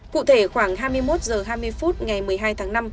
cụ thể khoảng hai mươi một h hai mươi phút ngày một mươi hai tháng năm